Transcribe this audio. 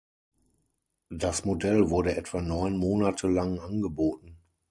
Das Modell wurde etwa neun Monate lang angeboten.